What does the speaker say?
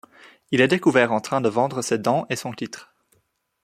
Il est découvert en train de vendre ses dents et son titre.